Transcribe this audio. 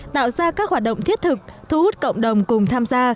tạo ra các hoạt động thiết thực thu hút cộng đồng cùng tham gia